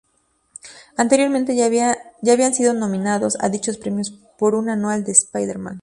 Anteriormente ya habían sido nominados a dichos premios por un anual del Spider-Man.